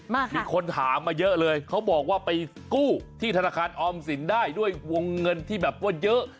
มีคนถามมาเยอะเลยเขาบอกว่าไปกู้ที่ธนาคารออมสินได้ด้วยวงเงินที่แบบว่าเยอะ